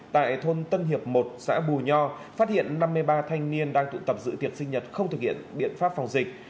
tại thôn tân hiệp một xã bù nho phát hiện năm mươi ba thanh niên đang tụ tập dự tiệt sinh nhật không thực hiện biện pháp phòng dịch